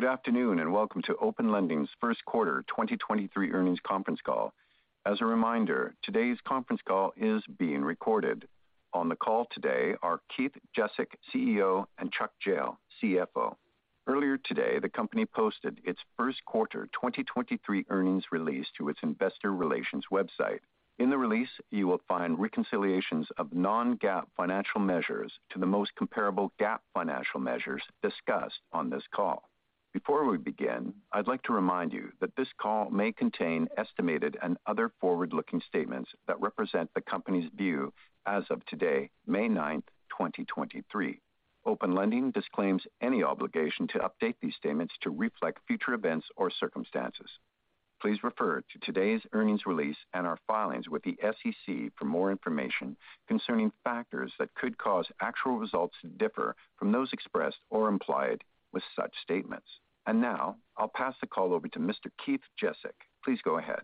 Good afternoon, and welcome to Open Lending's first quarter 2023 earnings conference call. As a reminder, today's conference call is being recorded. On the call today are Keith Jezek, CEO, and Chuck Jehl, CFO. Earlier today, the company posted its first quarter 2023 earnings release to its investor relations website. In the release, you will find reconciliations of non-GAAP financial measures to the most comparable GAAP financial measures discussed on this call. Before we begin, I'd like to remind you that this call may contain estimated and other forward-looking statements that represent the company's view as of today, May 9th, 2023. Open Lending disclaims any obligation to update these statements to reflect future events or circumstances. Please refer to today's earnings release and our filings with the SEC for more information concerning factors that could cause actual results to differ from those expressed or implied with such statements. Now, I'll pass the call over to Mr. Keith Jezek. Please go ahead.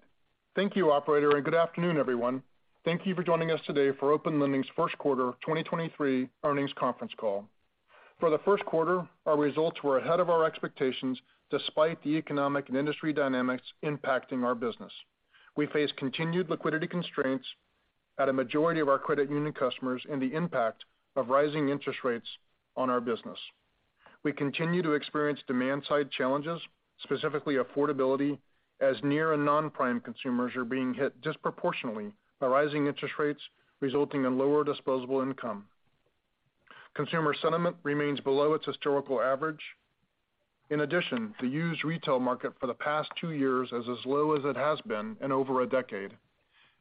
Thank you, operator, good afternoon, everyone. Thank you for joining us today for Open Lending's first quarter 2023 earnings conference call. For the first quarter, our results were ahead of our expectations, despite the economic and industry dynamics impacting our business. We face continued liquidity constraints at a majority of our credit union customers and the impact of rising interest rates on our business. We continue to experience demand-side challenges, specifically affordability, as near and non-prime consumers are being hit disproportionately by rising interest rates, resulting in lower disposable income. Consumer sentiment remains below its historical average. In addition, the used retail market for the past two years is as low as it has been in over a decade.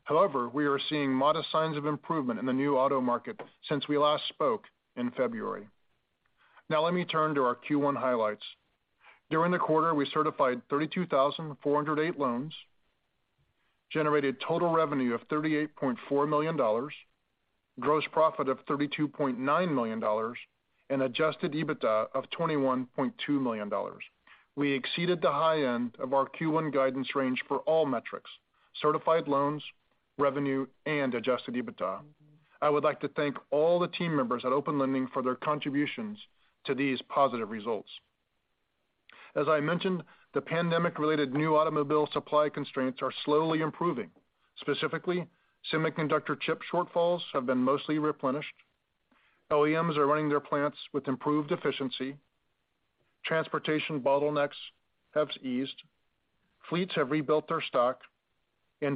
However, we are seeing modest signs of improvement in the new auto market since we last spoke in February. Now let me turn to our Q1 highlights. During the quarter, we certified 32,408 loans, generated total revenue of $38.4 million, gross profit of $32.9 million, and adjusted EBITDA of $21.2 million. We exceeded the high end of our Q1 guidance range for all metrics, certified loans, revenue, and adjusted EBITDA. I would like to thank all the team members at Open Lending for their contributions to these positive results. As I mentioned, the pandemic-related new automobile supply constraints are slowly improving. Specifically, semiconductor chip shortfalls have been mostly replenished. OEMs are running their plants with improved efficiency. Transportation bottlenecks have eased. Fleets have rebuilt their stock.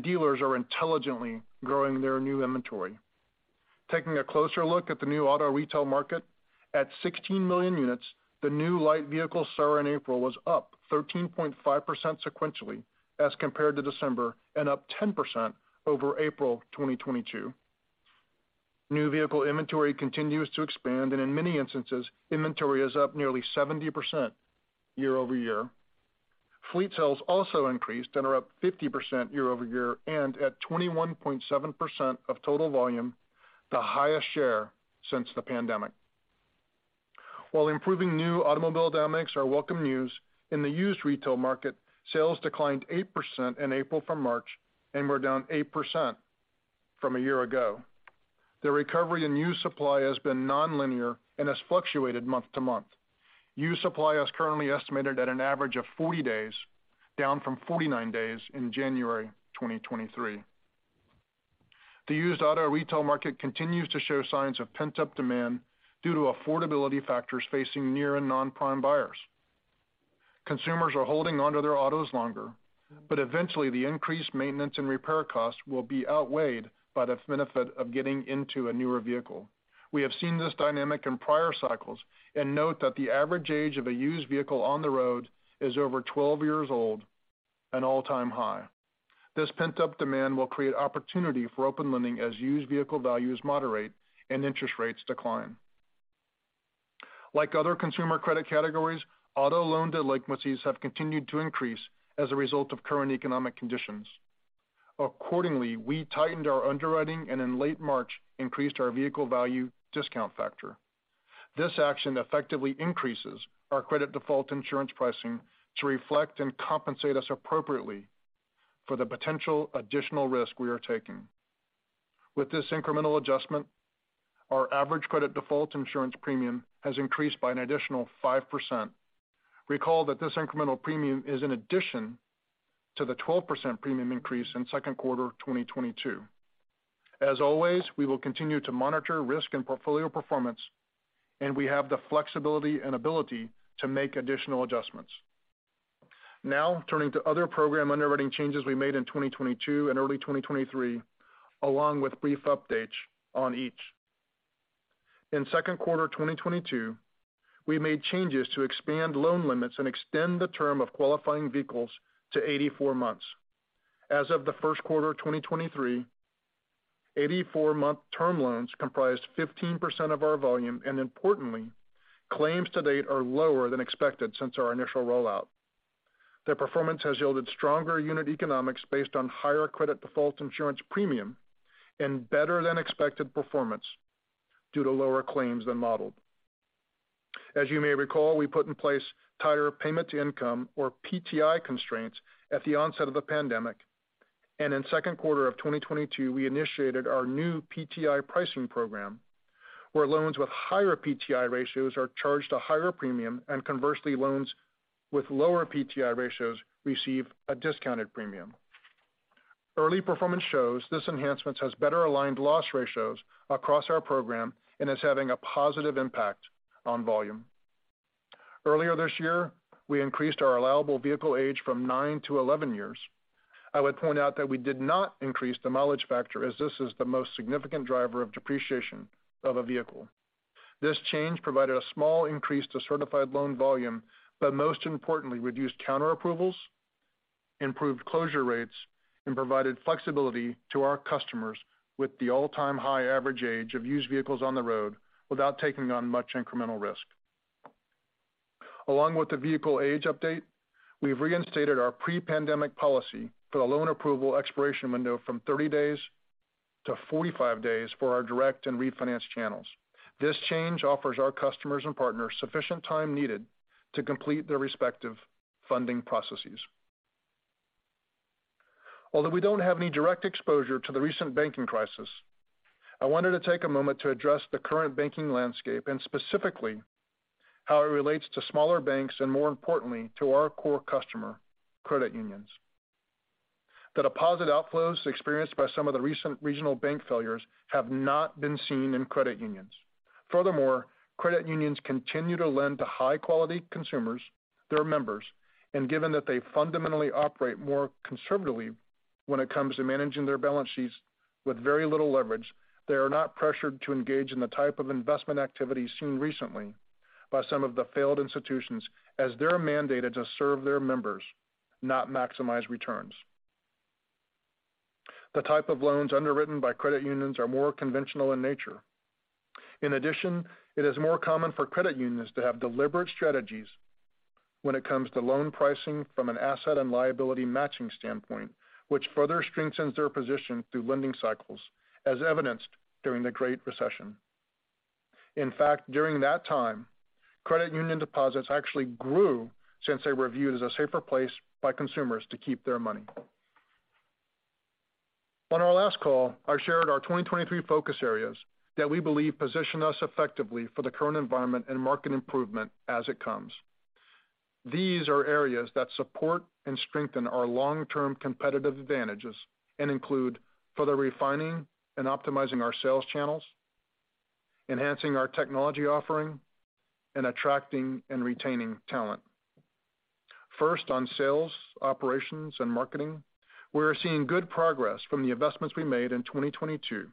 Dealers are intelligently growing their new inventory. Taking a closer look at the new auto retail market, at 16 million units, the new light vehicle seller in April was up 13.5% sequentially as compared to December and up 10% over April 2022. New vehicle inventory continues to expand, and in many instances, inventory is up nearly 70% year-over-year. Fleet sales also increased and are up 50% year-over-year and at 21.7% of total volume, the highest share since the pandemic. While improving new automobile dynamics are welcome news, in the used retail market, sales declined 8% in April from March and were down 8% from a year ago. The recovery in used supply has been nonlinear and has fluctuated month-to-month. Used supply is currently estimated at an average of 40 days, down from 49 days in January 2023. The used auto retail market continues to show signs of pent-up demand due to affordability factors facing near and non-prime buyers. Consumers are holding onto their autos longer, but eventually the increased maintenance and repair costs will be outweighed by the benefit of getting into a newer vehicle. We have seen this dynamic in prior cycles and note that the average age of a used vehicle on the road is over 12 years old, an all-time high. This pent-up demand will create opportunity for Open Lending as used vehicle values moderate and interest rates decline. Like other consumer credit categories, auto loan delinquencies have continued to increase as a result of current economic conditions. Accordingly, we tightened our underwriting and in late March increased our vehicle value discount factor. This action effectively increases our credit default insurance pricing to reflect and compensate us appropriately for the potential additional risk we are taking. With this incremental adjustment, our average credit default insurance premium has increased by an additional 5%. Recall that this incremental premium is in addition to the 12% premium increase in second quarter 2022. As always, we will continue to monitor risk and portfolio performance, and we have the flexibility and ability to make additional adjustments. Now, turning to other program underwriting changes we made in 2022 and early 2023, along with brief updates on each. In second quarter 2022, we made changes to expand loan limits and extend the term of qualifying vehicles to 84 months. As of the first quarter 2023, 84-month term loans comprised 15% of our volume, and importantly, claims to date are lower than expected since our initial rollout. Their performance has yielded stronger unit economics based on higher credit default insurance premium and better than expected performance due to lower claims than modeled. As you may recall, we put in place tighter payment to income or PTI constraints at the onset of the pandemic. In second quarter of 2022, we initiated our new PTI pricing program, where loans with higher PTI ratios are charged a higher premium, and conversely, loans with lower PTI ratios receive a discounted premium. Early performance shows this enhancements has better aligned loss ratios across our program and is having a positive impact on volume. Earlier this year, we increased our allowable vehicle age from 9-11 years. I would point out that we did not increase the mileage factor as this is the most significant driver of depreciation of a vehicle. This change provided a small increase to certified loan volume, but most importantly, reduced counter approvals, improved closure rates, and provided flexibility to our customers with the all-time high average age of used vehicles on the road without taking on much incremental risk. Along with the vehicle age update, we've reinstated our pre-pandemic policy for the loan approval expiration window from 30 days to 45 days for our direct and refinance channels. This change offers our customers and partners sufficient time needed to complete their respective funding processes. Although we don't have any direct exposure to the recent banking crisis, I wanted to take a moment to address the current banking landscape and specifically how it relates to smaller banks and more importantly, to our core customer, credit unions. The deposit outflows experienced by some of the recent regional bank failures have not been seen in credit unions. Furthermore, credit unions continue to lend to high-quality consumers, their members, and given that they fundamentally operate more conservatively when it comes to managing their balance sheets with very little leverage, they are not pressured to engage in the type of investment activity seen recently by some of the failed institutions as they're mandated to serve their members, not maximize returns. The type of loans underwritten by credit unions are more conventional in nature. It is more common for credit unions to have deliberate strategies when it comes to loan pricing from an asset and liability matching standpoint, which further strengthens their position through lending cycles as evidenced during the Great Recession. During that time, credit union deposits actually grew since they were viewed as a safer place by consumers to keep their money. On our last call, I shared our 2023 focus areas that we believe position us effectively for the current environment and market improvement as it comes. These are areas that support and strengthen our long-term competitive advantages and include further refining and optimizing our sales channels, enhancing our technology offering, and attracting and retaining talent. On sales, operations, and marketing, we are seeing good progress from the investments we made in 2022.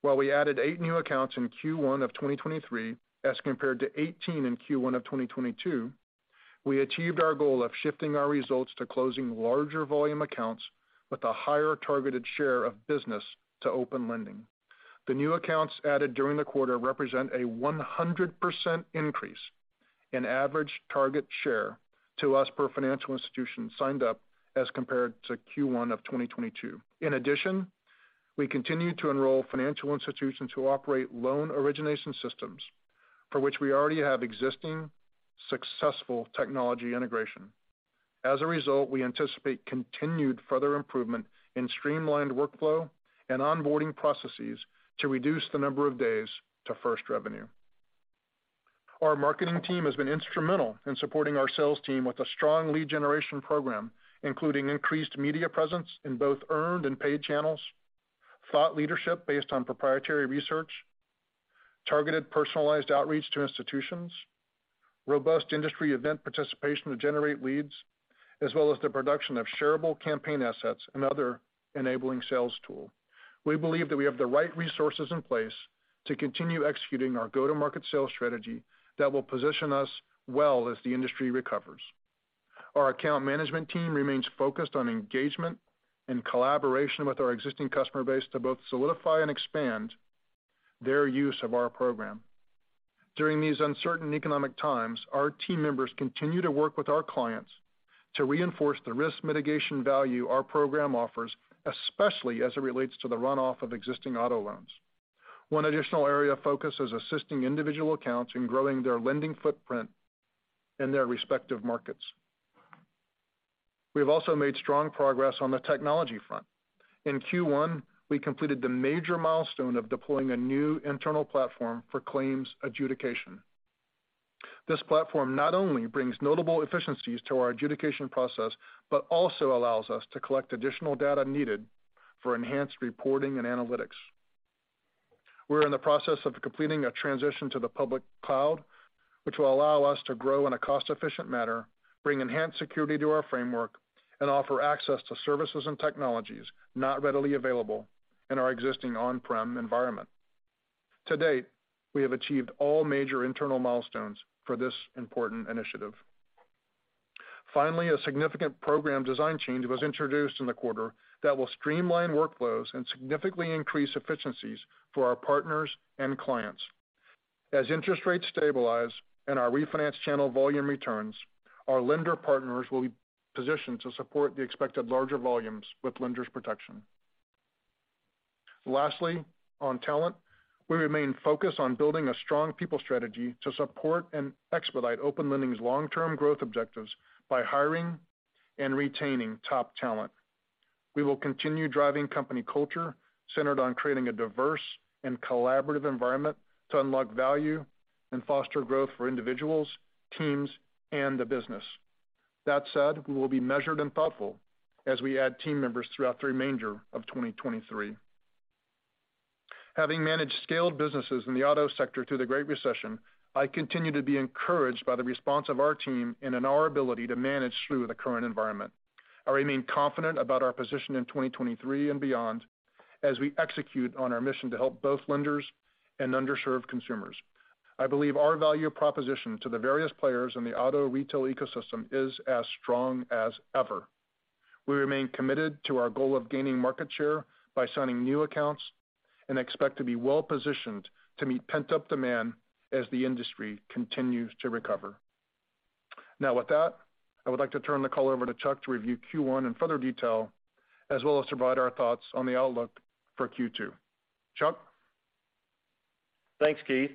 While we added eight new accounts in Q1 of 2023 as compared to 18 in Q1 of 2022, we achieved our goal of shifting our results to closing larger volume accounts with a higher targeted share of business to Open Lending. In addition, the new accounts added during the quarter represent a 100% increase in average target share to us per financial institution signed up as compared to Q1 of 2022. In addition, we continue to enroll financial institutions who operate loan origination systems for which we already have existing successful technology integration. As a result, we anticipate continued further improvement in streamlined workflow and onboarding processes to reduce the number of days to first revenue. Our marketing team has been instrumental in supporting our sales team with a strong lead generation program, including increased media presence in both earned and paid channels, thought leadership based on proprietary research, targeted personalized outreach to institutions, robust industry event participation to generate leads, as well as the production of shareable campaign assets and other enabling sales tool. We believe that we have the right resources in place to continue executing our go-to-market sales strategy that will position us well as the industry recovers. Our account management team remains focused on engagement and collaboration with our existing customer base to both solidify and expand their use of our program. During these uncertain economic times, our team members continue to work with our clients to reinforce the risk mitigation value our program offers, especially as it relates to the runoff of existing auto loans. One additional area of focus is assisting individual accounts in growing their lending footprint in their respective markets. We have also made strong progress on the technology front. In Q1, we completed the major milestone of deploying a new internal platform for claims adjudication. This platform not only brings notable efficiencies to our adjudication process, but also allows us to collect additional data needed for enhanced reporting and analytics. We're in the process of completing a transition to the public cloud, which will allow us to grow in a cost-efficient manner, bring enhanced security to our framework, and offer access to services and technologies not readily available in our existing on-prem environment. To date, we have achieved all major internal milestones for this important initiative. Finally, a significant program design change was introduced in the quarter that will streamline workflows and significantly increase efficiencies for our partners and clients. As interest rates stabilize and our refinance channel volume returns, our lender partners will be positioned to support the expected larger volumes with Lenders Protection. Lastly, on talent, we remain focused on building a strong people strategy to support and expedite Open Lending's long-term growth objectives by hiring and retaining top talent. We will continue driving company culture centered on creating a diverse and collaborative environment to unlock value and foster growth for individuals, teams, and the business. That said, we will be measured and thoughtful as we add team members throughout the remainder of 2023. Having managed scaled businesses in the auto sector through the Great Recession, I continue to be encouraged by the response of our team and in our ability to manage through the current environment. I remain confident about our position in 2023 and beyond, as we execute on our mission to help both lenders and underserved consumers. I believe our value proposition to the various players in the auto retail ecosystem is as strong as ever. We remain committed to our goal of gaining market share by signing new accounts and expect to be well-positioned to meet pent-up demand as the industry continues to recover. Now with that, I would like to turn the call over to Chuck to review Q1 in further detail, as well as provide our thoughts on the outlook for Q2. Chuck? Thanks, Keith.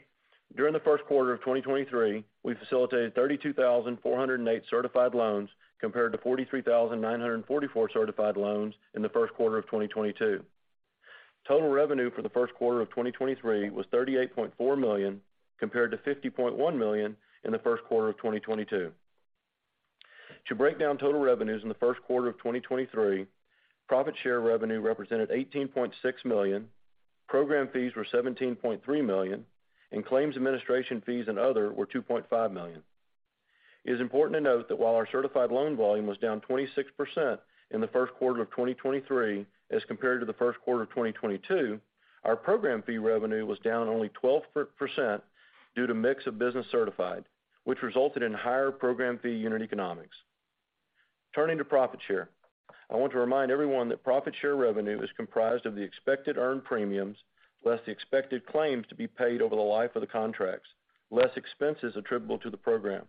During the first quarter of 2023, we facilitated 32,408 certified loans, compared to 43,944 certified loans in the first quarter of 2022. Total revenue for the first quarter of 2023 was $38.4 million, compared to $50.1 million in the first quarter of 2022. To break down total revenues in the first quarter of 2023, profit share revenue represented $18.6 million, program fees were $17.3 million, and claims administration fees and other were $2.5 million. It is important to note that while our certified loan volume was down 26% in the first quarter of 2023 as compared to the first quarter of 2022, our program fee revenue was down only 12% due to mix of business certified, which resulted in higher program fee unit economics. Turning to profit share. I want to remind everyone that profit share revenue is comprised of the expected earned premiums, less the expected claims to be paid over the life of the contracts, less expenses attributable to the program.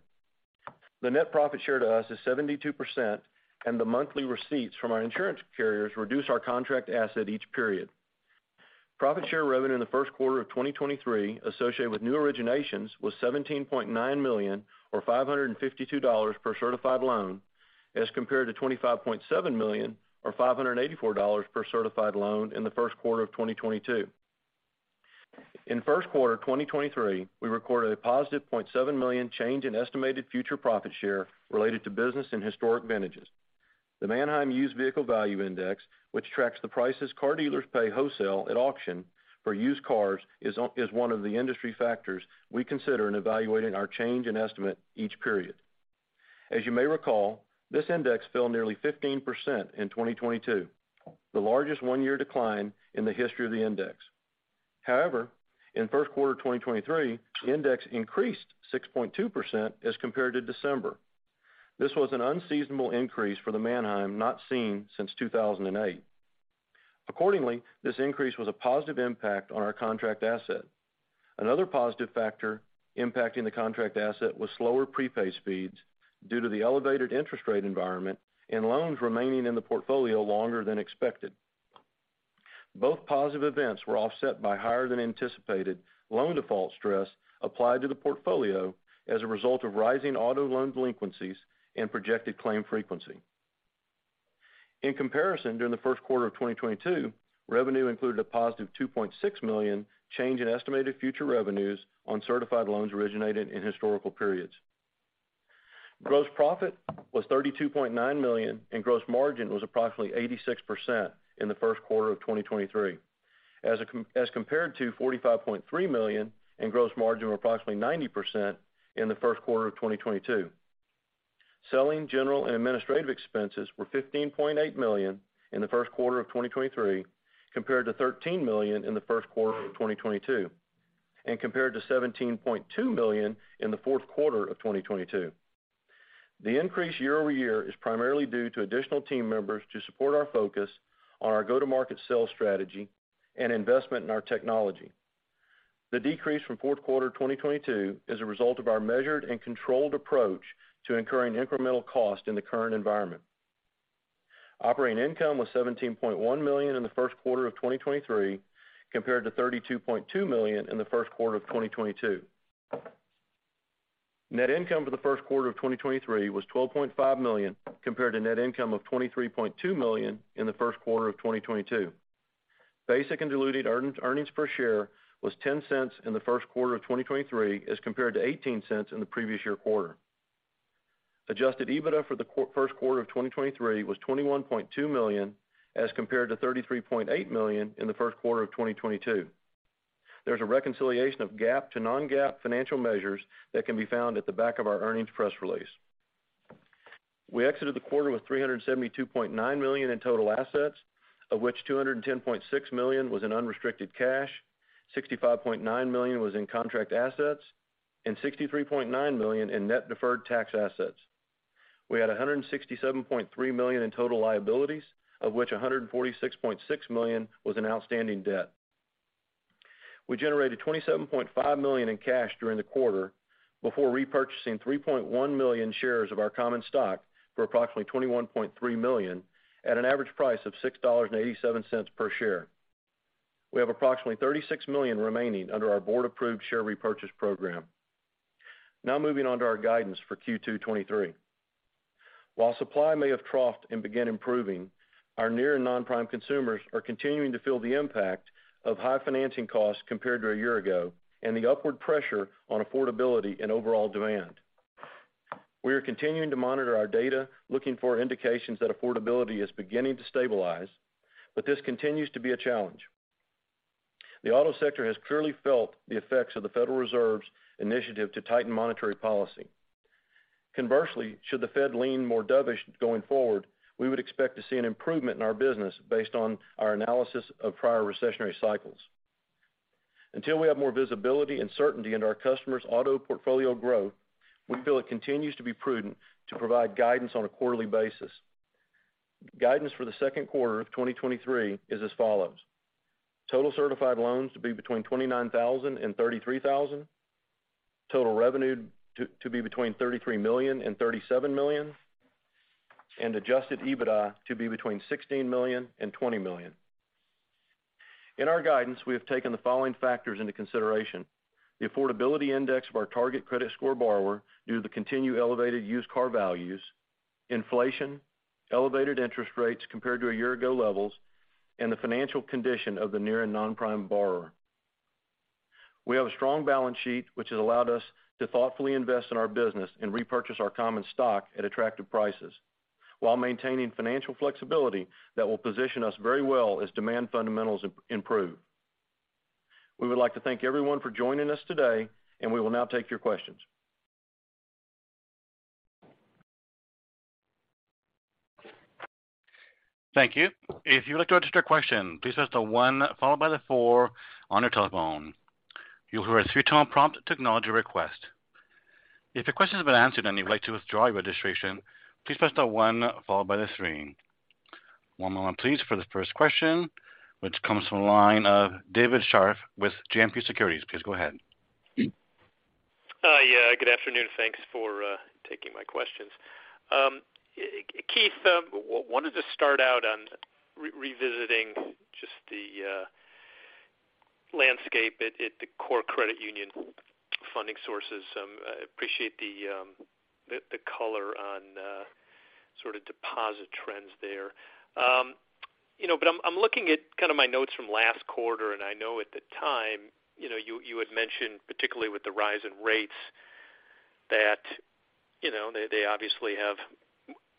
The net profit share to us is 72%, and the monthly receipts from our insurance carriers reduce our contract asset each period. Profit share revenue in the first quarter of 2023, associated with new originations was $17.9 million, or $552 per certified loan, as compared to $25.7 million or $584 per certified loan in the first quarter of 2022. In first quarter of 2023, we recorded a positive $0.7 million change in estimated future profit share related to business and historic vintages. The Manheim Used Vehicle Value Index, which tracks the prices car dealers pay wholesale at auction for used cars is one of the industry factors we consider in evaluating our change in estimate each period. As you may recall, this index fell nearly 15% in 2022, the largest one-year decline in the history of the index. However, in first quarter of 2023, the index increased 6.2% as compared to December. This was an unseasonable increase for the Manheim not seen since 2008. Accordingly, this increase was a positive impact on our contract asset. Another positive factor impacting the contract asset was slower prepay speeds due to the elevated interest rate environment and loans remaining in the portfolio longer than expected. Both positive events were offset by higher than anticipated loan default stress applied to the portfolio as a result of rising auto loan delinquencies and projected claim frequency. In comparison, during the first quarter of 2022, revenue included a positive $2.6 million change in estimated future revenues on certified loans originated in historical periods. Gross profit was $32.9 million, and gross margin was approximately 86% in the first quarter of 2023, as compared to $45.3 million and gross margin of approximately 90% in the first quarter of 2022. Selling, general, and administrative expenses were $15.8 million in the first quarter of 2023, compared to $13 million in the first quarter of 2022, and compared to $17.2 million in the fourth quarter of 2022. The increase year-over-year is primarily due to additional team members to support our focus on our go-to-market sales strategy and investment in our technology. The decrease from fourth quarter 2022 is a result of our measured and controlled approach to incurring incremental cost in the current environment. Operating income was $17.1 million in the first quarter of 2023, compared to $32.2 million in the first quarter of 2022. Net income for the first quarter of 2023 was $12.5 million, compared to net income of $23.2 million in the first quarter of 2022. Basic and diluted earnings per share was $0.10 in the first quarter of 2023, as compared to $0.18 in the previous year quarter. Adjusted EBITDA for the first quarter of 2023 was $21.2 million, as compared to $33.8 million in the first quarter of 2022. There's a reconciliation of GAAP to non-GAAP financial measures that can be found at the back of our earnings press release. We exited the quarter with $372.9 million in total assets, of which $210.6 million was in unrestricted cash, $65.9 million was in contract assets, and $63.9 million in net deferred tax assets. We had $167.3 million in total liabilities, of which $146.6 million was in outstanding debt. We generated $27.5 million in cash during the quarter before repurchasing 3.1 million shares of our common stock for approximately $21.3 million at an average price of $6.87 per share. We have approximately $36 million remaining under our Board approved share repurchase program. Moving on to our guidance for Q2 '23. While supply may have troughed and began improving, our near and non-prime consumers are continuing to feel the impact of high financing costs compared to a year ago and the upward pressure on affordability and overall demand. We are continuing to monitor our data, looking for indications that affordability is beginning to stabilize. This continues to be a challenge. The auto sector has clearly felt the effects of the Federal Reserve's initiative to tighten monetary policy. Conversely, should the Fed lean more dovish going forward, we would expect to see an improvement in our business based on our analysis of prior recessionary cycles. Until we have more visibility and certainty into our customers auto portfolio growth, we feel it continues to be prudent to provide guidance on a quarterly basis. Guidance for the second quarter of 2023 is as follows: total certified loans to be between 29,000 and 33,000, total revenue to be between $33 million and $37 million, Adjusted EBITDA to be between $16 million and $20 million. In our guidance, we have taken the following factors into consideration. The affordability index of our target credit score borrower due to continued elevated used car values, inflation, elevated interest rates compared to year-ago levels, and the financial condition of the near and non-prime borrower. We have a strong balance sheet, which has allowed us to thoughtfully invest in our business and repurchase our common stock at attractive prices while maintaining financial flexibility that will position us very well as demand fundamentals improve. We would like to thank everyone for joining us today. We will now take your questions. Thank you. If you would like to register a question, please press the one followed by the four on your telephone. You'll hear a three-tone prompt to acknowledge your request. If your question has been answered and you'd like to withdraw your registration, please press the one followed by the three. One moment please for the first question, which comes from the line of David Scharf with JMP Securities. Please go ahead. Hi. Yeah, good afternoon. Thanks for taking my questions. Keith, wanted to start out on revisiting just the landscape at the core credit union funding sources. Appreciate the color on sort of deposit trends there. You know, I'm looking at kind of my notes from last quarter, and I know at the time, you had mentioned particularly with the rise in rates that, you know, they obviously have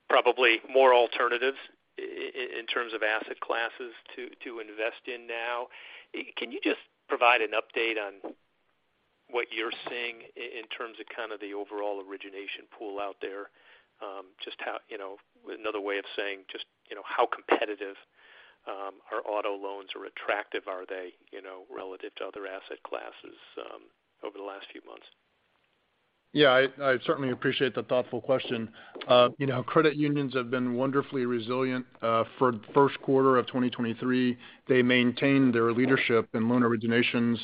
probably more alternatives in terms of asset classes to invest in now. Can you just provide an update on what you're seeing in terms of kind of the overall origination pool out there? Another way of saying just, you know, how competitive are auto loans or attractive are they, you know, relative to other asset classes, over the last few months? Yeah. I certainly appreciate the thoughtful question. You know, credit unions have been wonderfully resilient for the first quarter of 2023. They maintained their leadership in loan originations,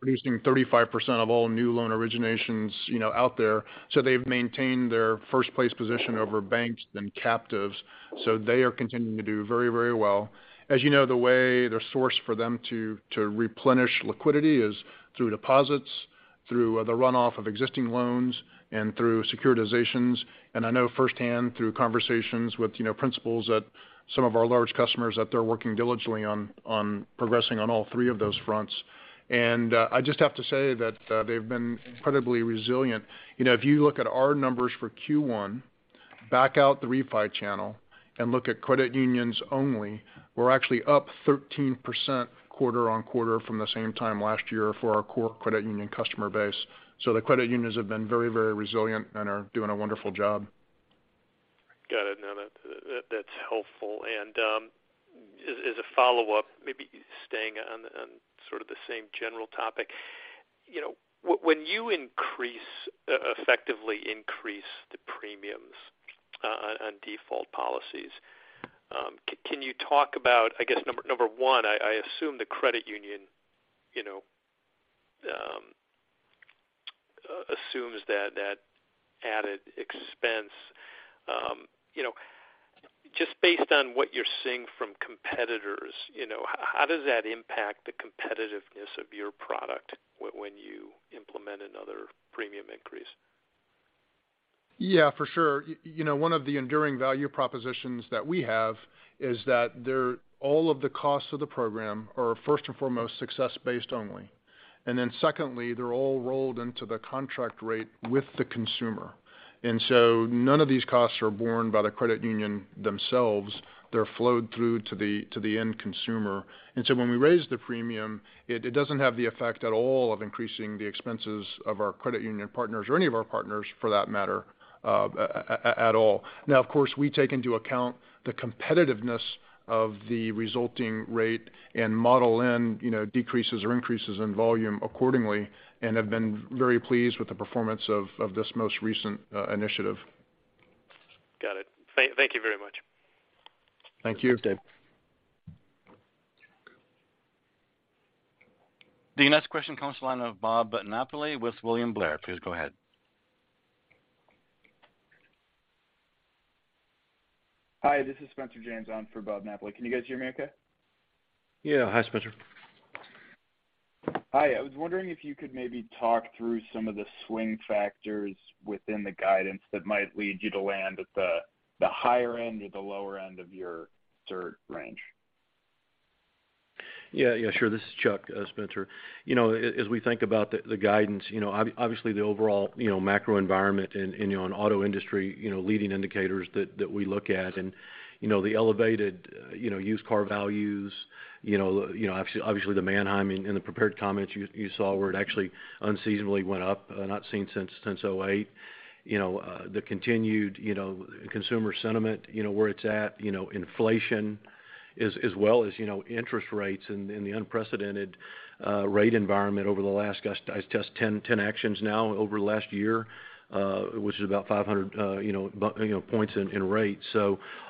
producing 35% of all new loan originations, you know, out there. They've maintained their first place position over banks then captives. They are continuing to do very, very well. As you know, the way the source for them to replenish liquidity is through deposits, through the runoff of existing loans, and through securitizations. I know firsthand through conversations with, you know, principals at some of our large customers that they're working diligently on progressing on all three of those fronts. I just have to say that they've been incredibly resilient. You know, if you look at our numbers for Q1, back out the refi channel and look at credit unions only, we're actually up 13% quarter-on-quarter from the same time last year for our core credit union customer base. The credit unions have been very, very resilient and are doing a wonderful job. Got it. No. That's helpful. As a follow-up, maybe staying on sort of the same general topic. You know, when you increase, effectively increase the premiums on default policies, can you talk about, I guess, number one, I assume the credit union, you know, assumes that added expense. You know, just based on what you're seeing from competitors, you know, how does that impact the competitiveness of your product when you implement another premium increase? Yeah, for sure. You know, one of the enduring value propositions that we have is that all of the costs of the program are first and foremost success based only. Secondly, they're all rolled into the contract rate with the consumer. None of these costs are borne by the credit union themselves. They're flowed through to the end consumer. When we raise the premium, it doesn't have the effect at all of increasing the expenses of our credit union partners or any of our partners for that matter, at all. Of course, we take into account the competitiveness of the resulting rate and model in, you know, decreases or increases in volume accordingly, and have been very pleased with the performance of this most recent initiative. Got it. Thank you very much. Thank you, Dave. The next question comes to line of Bob Napoli with William Blair. Please go ahead. Hi, this is Spencer Janes on for Bob Napoli. Can you guys hear me okay? Yeah. Hi, Spencer. Hi. I was wondering if you could maybe talk through some of the swing factors within the guidance that might lead you to land at the higher end or the lower end of your third range? Yeah. Yeah, sure. This is Chuck, Spencer. You know, as we think about the guidance, you know, obviously the overall, you know, macro environment and auto industry, you know, leading indicators that we look at and, you know, the elevated, you know, used car values, you know, obviously the Manheim in the prepared comments you saw where it actually unseasonably went up, not seen since 2008. You know, the continued, you know, consumer sentiment, you know, where it's at, you know, inflation as well as, you know, interest rates and the unprecedented rate environment over the last, I guess, 10 actions now over the last year, which is about 500 points in rates.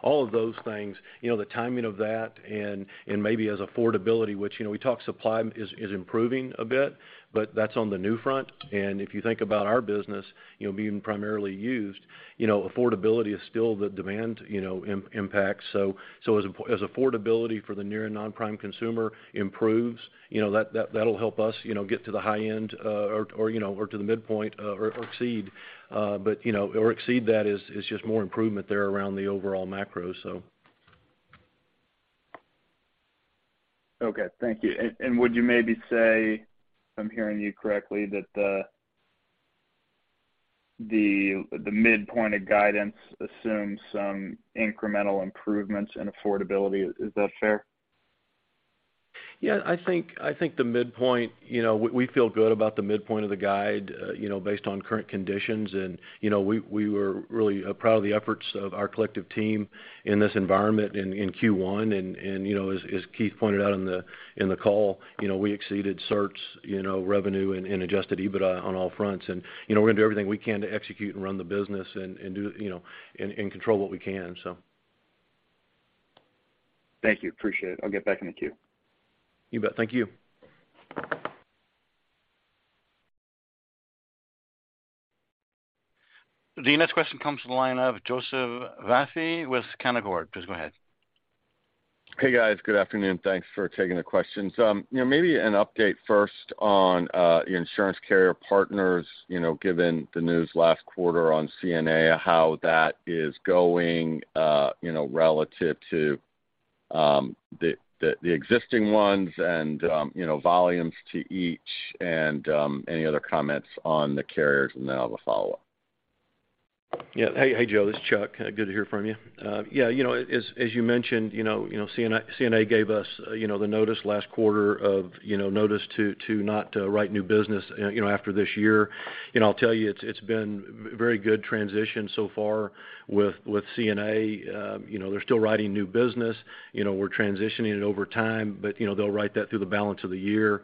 All of those things, you know, the timing of that and maybe as affordability, which, you know, we talk supply is improving a bit, but that's on the new front. If you think about our business, you know, being primarily used, you know, affordability is still the demand, you know, impact. As affordability for the near and non-prime consumer improves, you know, that'll help us, you know, get to the high end, or you know, or to the midpoint, or exceed. You know, or exceed that is just more improvement there around the overall macro. Okay, thank you. Would you maybe say, if I'm hearing you correctly, that the midpoint of guidance assumes some incremental improvements in affordability. Is that fair? Yeah, I think the midpoint, you know, we feel good about the midpoint of the guide, you know, based on current conditions. You know, we were really proud of the efforts of our collective team in this environment in Q1. You know, as Keith pointed out in the call, you know, we exceeded certs, you know, revenue and adjusted EBITDA on all fronts. You know, we're gonna do everything we can to execute and run the business and do, you know, and control what we can, so. Thank you. Appreciate it. I'll get back in the queue. You bet. Thank you. The next question comes from the line of Joseph Vafi with Canaccord. Please go ahead. Hey, guys. Good afternoon. Thanks for taking the questions. You know, maybe an update first on your insurance carrier partners, you know, given the news last quarter on CNA, how that is going, you know, relative to the existing ones and, you know, volumes to each and any other comments on the carriers, and then I have a follow-up. Yeah. Hey, Joe. This is Chuck. Good to hear from you. Yeah, you know, as you mentioned, you know, CNA gave us, you know, the notice last quarter of, you know, notice to not write new business, you know, after this year. You know, I'll tell you, it's been very good transition so far with CNA. You know, they're still writing new business. You know, we're transitioning it over time, but, you know, they'll write that through the balance of the year.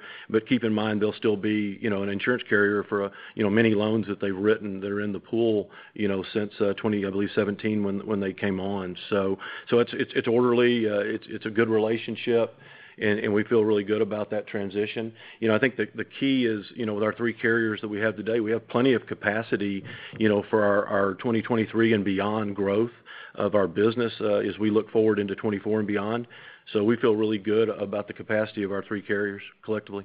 Keep in mind, they'll still be, you know, an insurance carrier for, you know, many loans that they've written that are in the pool, you know, since, I believe, 2017 when they came on. It's orderly. It's a good relationship and we feel really good about that transition. You know, I think the key is, you know, with our three carriers that we have today, we have plenty of capacity, you know, for our 23 and beyond growth of our business, as we look forward into 24 and beyond. We feel really good about the capacity of our three carriers collectively.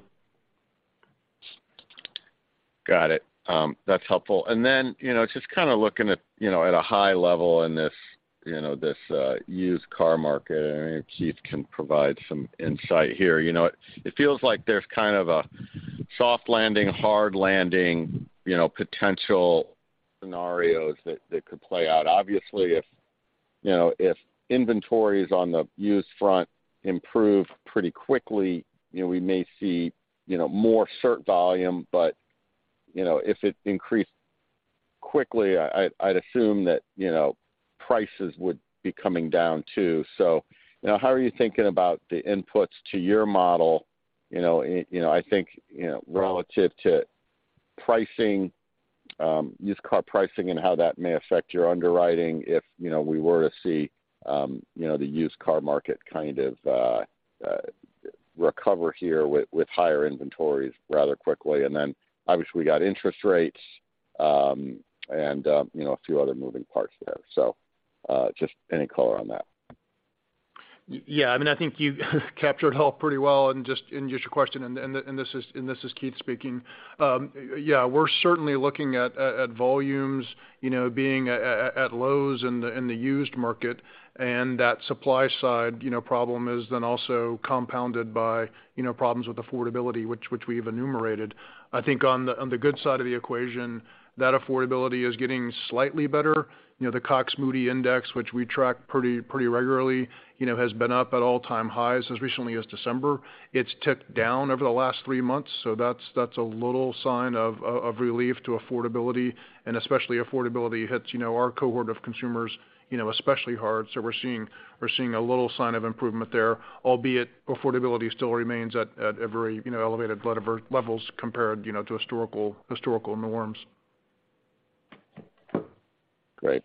Got it. That's helpful. You know, just kinda looking at, you know, at a high level in this, you know, this used car market, and Keith can provide some insight here. You know, it feels like there's kind of a soft landing, hard landing, you know, potential scenarios that could play out. Obviously, if, you know, if inventories on the used front improve pretty quickly, you know, we may see, you know, more cert volume. You know, if it increased quickly, I'd assume that, you know, prices would be coming down too. You know, how are you thinking about the inputs to your model, you know, you know, I think, you know, relative to pricing, used car pricing and how that may affect your underwriting if, you know, we were to see, you know, the used car market kind of, recover here with higher inventories rather quickly? Obviously, we got interest rates, and, you know, a few other moving parts there. Just any color on that. Yeah. I mean, I think you captured it all pretty well in just your question. This is Keith speaking. Yeah, we're certainly looking at volumes, you know, being at lows in the used market, and that supply side, you know, problem is also compounded by, you know, problems with affordability, which we've enumerated. I think on the good side of the equation, that affordability is getting slightly better. You know, the Cox Moody Index, which we track pretty regularly, you know, has been up at all-time highs as recently as December. It's ticked down over the last 3 months, so that's a little sign of relief to affordability. Especially affordability hits, you know, our cohort of consumers, you know, especially hard. We're seeing a little sign of improvement there, albeit affordability still remains at a very, you know, elevated levels compared, you know, to historical norms. Great.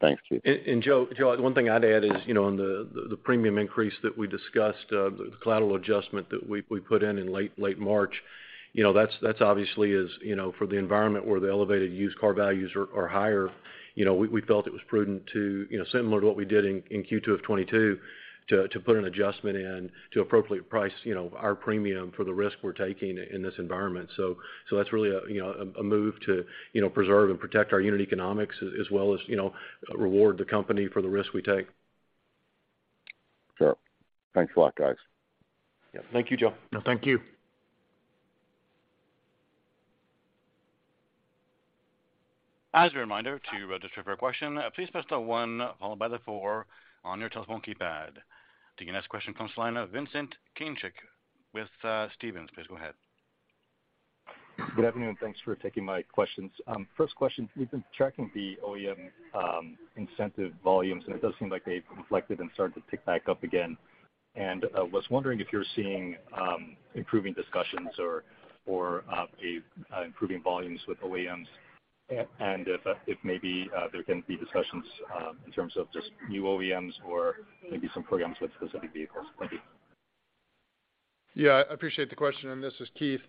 Thanks, Keith. Joe, one thing I'd add is, you know, on the premium increase that we discussed, the collateral adjustment that we put in late March, you know, that's obviously is, you know, for the environment where the elevated used car values are higher. You know, we felt it was prudent to, you know, similar to what we did in Q2 of 2022, to put an adjustment in to appropriately price, you know, our premium for the risk we're taking in this environment. That's really a, you know, a move to, you know, preserve and protect our unit economics as well as, you know, reward the company for the risk we take. Sure. Thanks a lot, guys. Yeah. Thank you, Joe. No, thank you. As a reminder, to register for a question, please press the one followed by the four on your telephone keypad. The next question comes from the line of Vincent Caintic with Stephens. Please go ahead. Good afternoon, thanks for taking my questions. First question, we've been tracking the OEM incentive volumes, and it does seem like they've reflected and started to pick back up again. Was wondering if you're seeing improving discussions or a improving volumes with OEMs. If maybe there can be discussions in terms of just new OEMs or maybe some programs with specific vehicles. Thank you. Yeah, I appreciate the question, and this is Keith.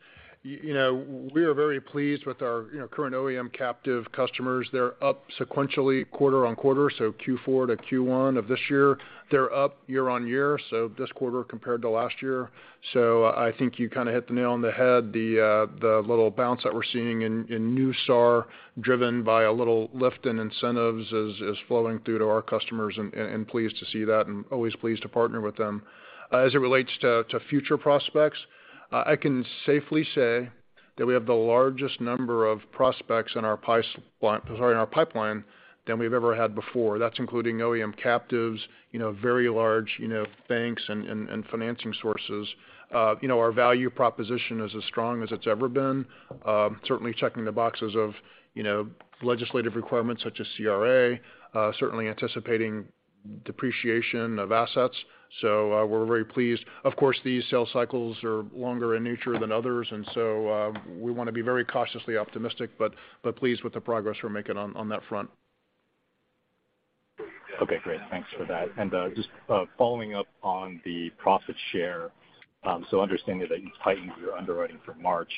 You know, we are very pleased with our, you know, current OEM captive customers. They're up sequentially quarter-on-quarter, so Q4 to Q1 of this year. They're up year-on-year, so this quarter compared to last year. I think you kind of hit the nail on the head. The little bounce that we're seeing in new SAR driven by a little lift in incentives is flowing through to our customers and pleased to see that and always pleased to partner with them. As it relates to future prospects, I can safely say that we have the largest number of prospects in our pipeline than we've ever had before. That's including OEM captives, you know, very large, you know, banks and financing sources. you know, our value proposition is as strong as it's ever been, certainly checking the boxes of, you know, legislative requirements such as CRA, certainly anticipating depreciation of assets. We're very pleased. Of course, these sales cycles are longer in nature than others. We wanna be very cautiously optimistic, but pleased with the progress we're making on that front. Okay, great. Thanks for that. Just following up on the profit share, so understanding that you tightened your underwriting for March,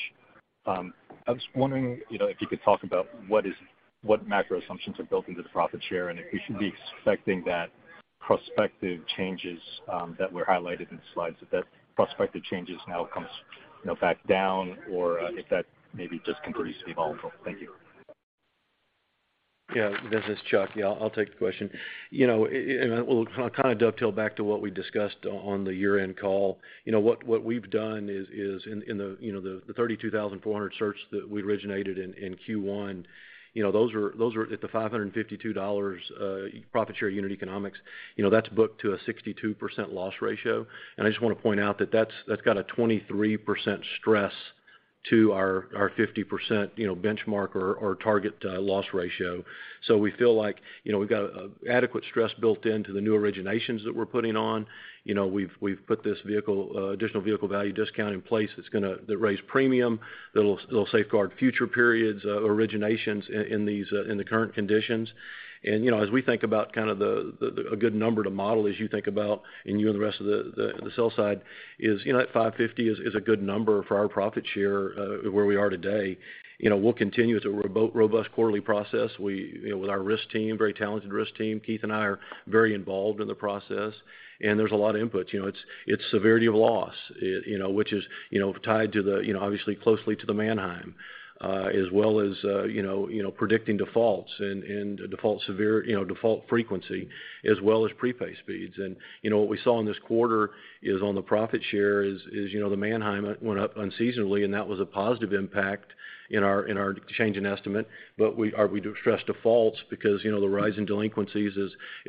I was wondering, you know, if you could talk about what macro assumptions are built into the profit share, and if we should be expecting that prospective changes that were highlighted in the slides, that prospective changes now comes, you know, back down or if that maybe just continues to be volatile. Thank you. This is Chuck. I'll take the question. You know, it will kind of dovetail back to what we discussed on the year-end call. You know, what we've done is in the, you know, the 32,400 search that we originated in Q1, you know, those were at the $552 profit share unit economics. You know, that's booked to a 62% loss ratio. I just wanna point out that that's got a 23% stress to our 50%, you know, benchmark or target loss ratio. We feel like, you know, we've got an adequate stress built into the new originations that we're putting on. You know, we've put this vehicle, additional vehicle value discount in place that raise premium, that'll safeguard future periods, originations in these, in the current conditions. You know, as we think about kind of a good number to model as you think about and you and the rest of the sales side is, you know, at 550 is a good number for our profit share where we are today. You know, we'll continue. It's a robust quarterly process. We, you know, with our risk team, very talented risk team. Keith and I are very involved in the process, and there's a lot of inputs. You know, it's severity of loss, it, you know, which is, you know, tied to the, you know, obviously closely to the Manheim, as well as, you know, predicting defaults and default frequency as well as prepay speeds. You know, what we saw in this quarter is on the profit share, you know, the Manheim went up unseasonably, and that was a positive impact in our, in our change in estimate. We do stress defaults because, you know, the rise in delinquencies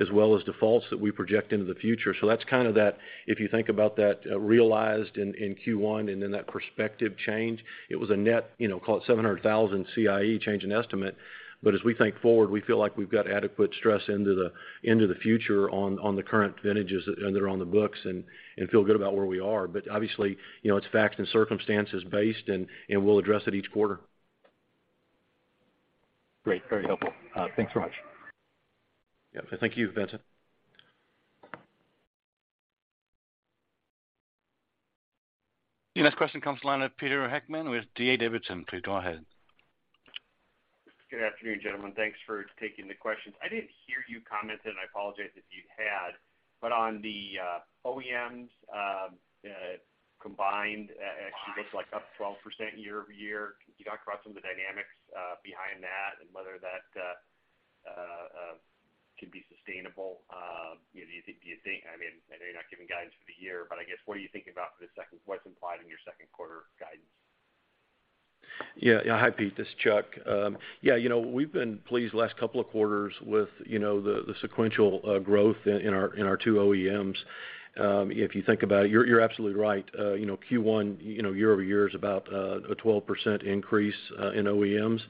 as well as defaults that we project into the future. That's kind of that if you think about that, realized in Q1 and then that perspective change, it was a net, you know, call it $700,000 CIE change in estimate. As we think forward, we feel like we've got adequate stress into the future on the current vintages that are on the books and feel good about where we are. Obviously, you know, it's facts and circumstances based, and we'll address it each quarter. Great. Very helpful. Thanks so much. Yeah. Thank you, Vincent. The next question comes to line of Peter Heckmann with D.A. Davidson. Please go ahead. Good afternoon, gentlemen. Thanks for taking the questions. I didn't hear you comment, and I apologize if you had, but on the OEMs combined, actually looks like up 12% year-over-year. Can you talk about some of the dynamics behind that and whether that could be sustainable? You know, do you think I mean, I know you're not giving guidance for the year, but I guess, what are you thinking about for the second what's implied in your second quarter guidance? Yeah. Yeah. Hi, Pete. This is Chuck. Yeah, you know, we've been pleased the last couple of quarters with, you know, the sequential, growth in our, in our 2 OEMs. If you think about it, you're absolutely right. you know, Q1, you know, year-over-year is about, a 12% increase, in OEMs.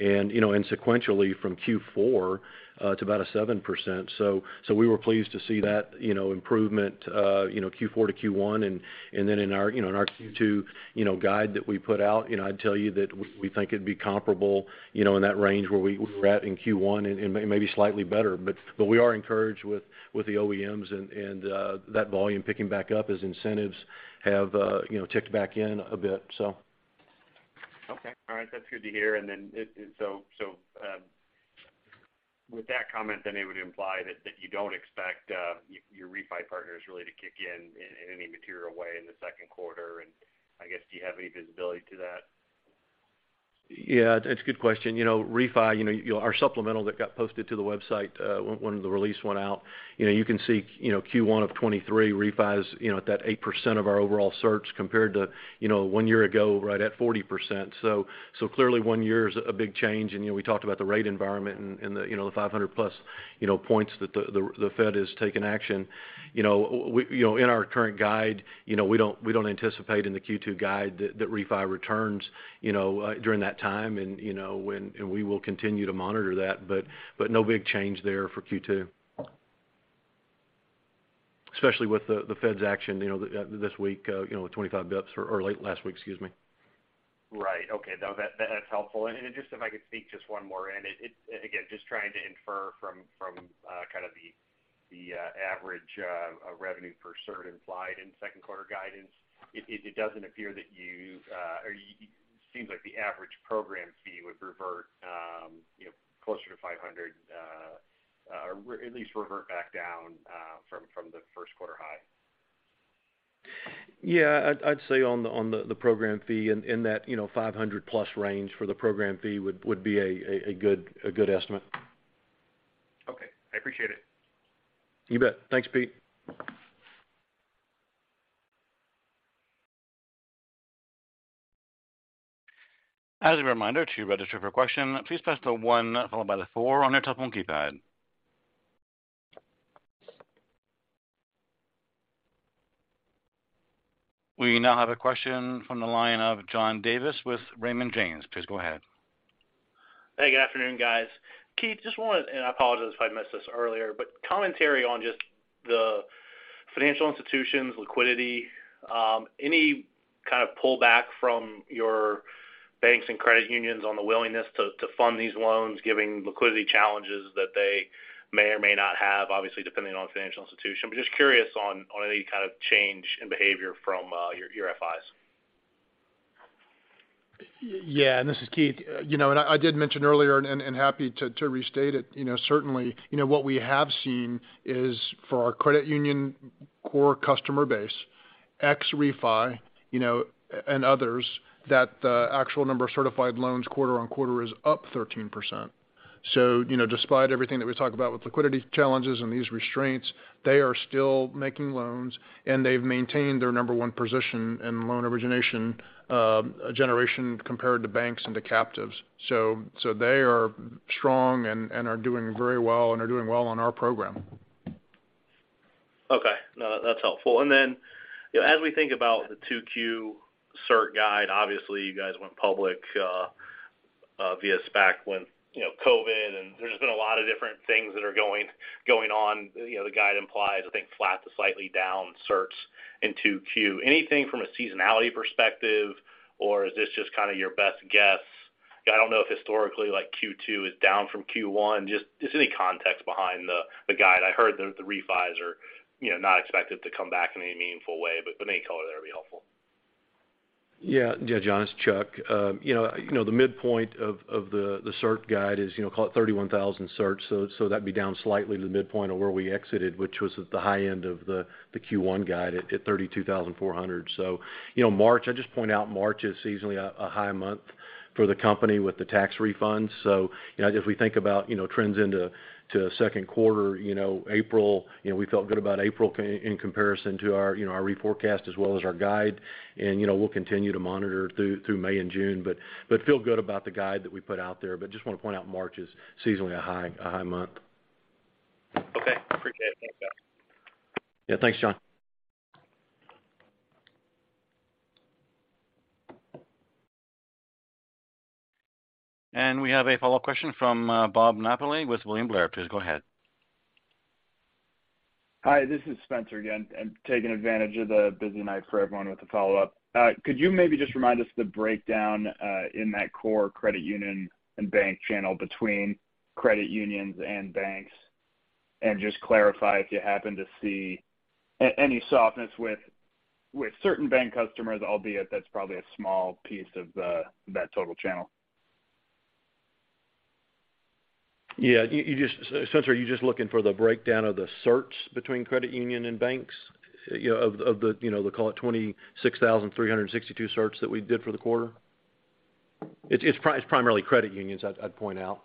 Sequentially from Q4 to about a 7%. We were pleased to see that, you know, improvement, you know, Q4 to Q1. Then in our, you know, in our Q2, you know, guide that we put out, you know, I'd tell you that we think it'd be comparable, you know, in that range where we were at in Q1 and maybe slightly better. We are encouraged with the OEMs and that volume picking back up as incentives have, you know, ticked back in a bit, so. Okay. All right. That's good to hear. Then with that comment then it would imply that you don't expect your refi partners really to kick in any material way in the second quarter. I guess, do you have any visibility to that? Yeah, it's a good question. You know, refi, you know, our supplemental that got posted to the website, when the release went out, you know, you can see, you know, Q1 of 2023 refi's, you know, at that 8% of our overall search compared to, you know, 1 year ago, right at 40%. Clearly 1 year is a big change. You know, we talked about the rate environment and the, you know, the 500+ you know, points that the Fed has taken action. You know, we, you know, in our current guide, you know, we don't anticipate in the Q2 guide that refi returns, you know, during that time and, you know, and we will continue to monitor that, no big change there for Q2.Especially with the Fed's action, you know, this week, you know, with 25 bps or late last week. Excuse me. Right. Okay. No. That's helpful. Just if I could sneak just one more in. It again, just trying to infer from kind of the average revenue per cert implied in second quarter guidance. It doesn't appear that you or it seems like the average program fee would revert, you know, closer to $500 or at least revert back down from the first quarter high. Yeah. I'd say on the program fee in that, you know, $500+ range for the program fee would be a good estimate. Okay, I appreciate it. You bet. Thanks, Pete. As a reminder, to register for a question, please press the one followed by the four on your telephone keypad. We now have a question from the line of John Davis with Raymond James. Please go ahead. Hey, good afternoon, guys. Keith, just wondered, and I apologize if I missed this earlier, commentary on just the financial institutions liquidity, any kind of pullback from your banks and credit unions on the willingness to fund these loans, giving liquidity challenges that they may or may not have, obviously, depending on financial institution. Just curious on any kind of change in behavior from your FIs? Yeah. This is Keith. You know, I did mention earlier and, happy to, restate it, you know, certainly, you know, what we have seen is for our credit union core customer base, ex refi, you know, and others, that the actual number of certified loans quarter-on-quarter is up 13%. You know, despite everything that we talk about with liquidity challenges and these restraints, they are still making loans, and they've maintained their number one position in loan origination, generation compared to banks and to captives. They are strong and are doing very well and are doing well on our program. Okay. No, that's helpful. You know, as we think about the 2Q cert guide, obviously you guys went public via SPAC when, you know, COVID, and there's been a lot of different things that are going on. You know, the guide implies, I think, flat to slightly down certs in 2Q. Anything from a seasonality perspective, or is this just kind of your best guess? I don't know if historically, like, Q2 is down from Q1. Just any context behind the guide. I heard that the refis are, you know, not expected to come back in any meaningful way. Any color there would be helpful. John, it's Chuck. You know, you know the midpoint of the cert guide is, you know, call it 31,000 certs. That'd be down slightly to the midpoint of where we exited, which was at the high end of the Q1 guide at 32,400. March, I just point out March is seasonally a high month for the company with the tax refunds. As we think about, you know, trends into second quarter, you know, April, you know, we felt good about April in comparison to our, you know, our reforecast as well as our guide. We'll continue to monitor through May and June, but feel good about the guide that we put out there. Just want to point out March is seasonally a high month. Okay. Appreciate it. Thanks, guys. Yeah, thanks, John. We have a follow-up question from, Bob Napoli with William Blair. Please go ahead. Hi, this is Spencer again, and taking advantage of the busy night for everyone with a follow-up. Could you maybe just remind us the breakdown in that core credit union and bank channel between credit unions and banks? Just clarify if you happen to see any softness with certain bank customers, albeit that's probably a small piece of the, that total channel. Yeah. Spencer, are you just looking for the breakdown of the certs between credit union and banks? You know, of the, you know, the call it 26,362 certs that we did for the quarter? It's primarily credit unions, I'd point out.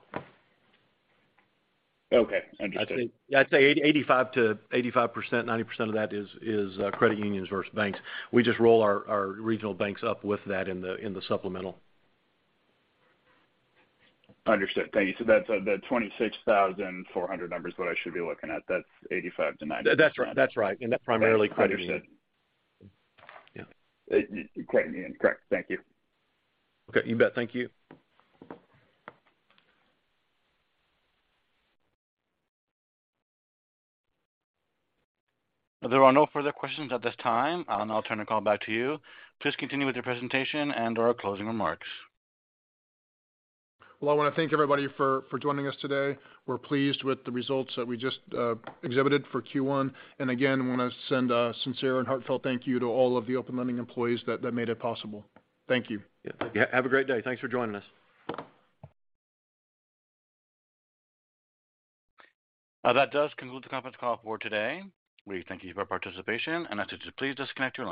Okay. Understood. I'd say 85%-90% of that is credit unions versus banks. We just roll our regional banks up with that in the supplemental. Understood. Thank you. The 26,400 number is what I should be looking at. That's 85%-90%. That's right. That's right. That's primarily credit unions. Understood. Yeah. Credit union, correct. Thank you. Okay. You bet. Thank you. There are no further questions at this time. I'll turn the call back to you. Please continue with your presentation and/or closing remarks. Well, I wanna thank everybody for joining us today. We're pleased with the results that we just exhibited for Q1. Again, wanna send a sincere and heartfelt thank you to all of the Open Lending employees that made it possible. Thank you. Yeah. Thank you. Have a great day. Thanks for joining us. That does conclude the conference call for today. We thank you for your participation, and I please disconnect your line.